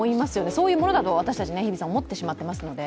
そういうものだと私たちは思ってしまっていますので。